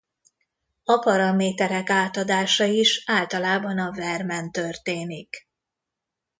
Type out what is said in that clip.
A paraméterek átadása is általában a vermen történik.